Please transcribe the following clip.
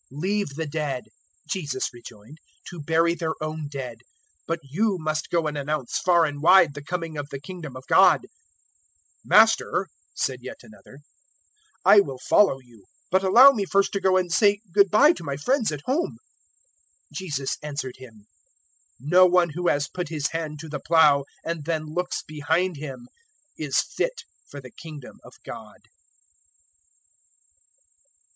009:060 "Leave the dead," Jesus rejoined, "to bury their own dead; but you must go and announce far and wide the coming of the Kingdom of God." 009:061 "Master," said yet another, "I will follow you; but allow me first to go and say good bye to my friends at home." 009:062 Jesus answered him, "No one who has put his hand to the plough, and then looks behind him, is fit for the Kingdom of God.